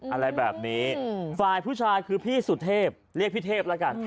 อะไรแบบนี้ฝ่ายผู้ชายคือพี่สุเทพเรียกพี่เทพแล้วกัน